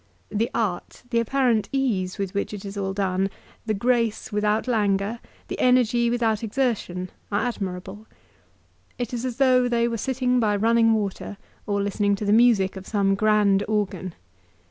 The art, the apparent ease with which it js all done, the grace without languor, the energy without exertion, are admirable. It is as though they were sitting by running water, or listening to the music of some grand organ.